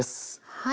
はい。